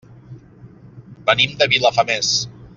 Venim de Vilafamés.